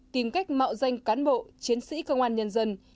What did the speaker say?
tìm cách mạo danh cán bộ chiến sĩ công an nhân dân